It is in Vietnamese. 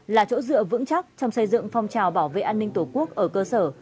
là chỗ dựa vững chắc trong xây dựng phong trào bảo vệ an ninh tổ quốc ở cơ sở